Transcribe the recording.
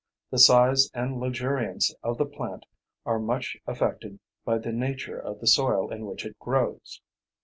The size and luxuriance of the plant are much affected by the nature of the soil in which it grows.